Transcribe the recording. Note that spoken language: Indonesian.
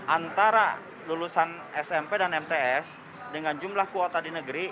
antara lulusan smp dan mts dengan jumlah kuota di negeri